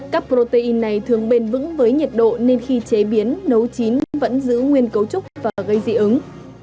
các protein này thường bền vững với nhiệt độ nên khi chế biến nấu chín vẫn giữ nguyên cấu trúc và gây dị ứng